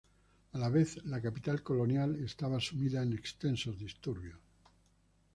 A la vez, la capital colonial estaba sumida en extensos disturbios.